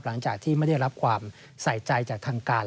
หลังจากที่ไม่ได้รับความใส่ใจจากทางการ